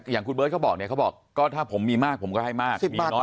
อย่างคุณเบิร์ชเขาบอกถ้าผมมีมากผมก็ให้มาก